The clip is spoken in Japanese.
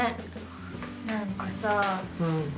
何かさぁ。